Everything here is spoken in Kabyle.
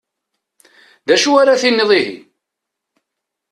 D acu ara tiniḍ ihi?